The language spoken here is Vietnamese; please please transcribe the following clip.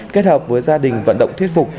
kết hợp với gia đình vận động thuyết phục